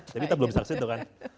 iya jadi kita belum bisa ke situ kan